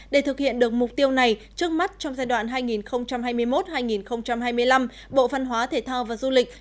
để thực hiện được mục tiêu này trước mắt trong giai đoạn hai nghìn hai mươi một hai nghìn hai mươi năm bộ văn hóa thể thao và du lịch